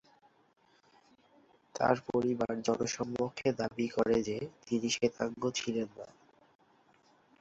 তার পরিবার জনসমক্ষে দাবী করে যে, তিনি শ্বেতাঙ্গ ছিলেন না।